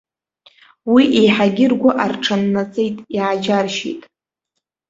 Уи еиҳагьы ргәы аарҽаннаҵеит, иааџьаршьеит.